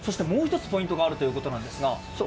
もう一つポイントがあるということなんですが。